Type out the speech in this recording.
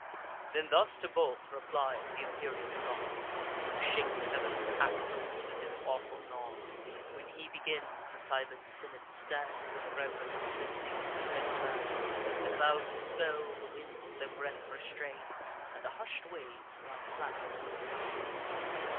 Then thus to both replied th' imperial god, Who shakes heav'n's axles with his awful nod. (When he begins, the silent senate stand With rev'rence, list'ning to the dread command: The clouds dispel; the winds their breath restrain; And the hush'd waves lie flatted on the main.)